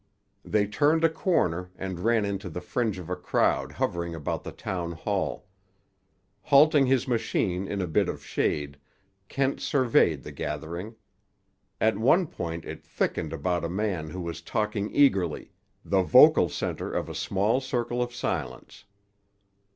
They turned a corner, and ran into the fringe of a crowd hovering about the town hall. Halting his machine in a bit of shade, Kent surveyed the gathering. At one point it thickened about a man who was talking eagerly, the vocal center of a small circle of silence.